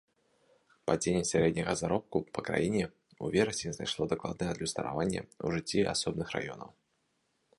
Падзенне сярэдняга заробку па краіне ў верасні знайшло дакладнае адлюстраванне ў жыцці асобных раёнаў.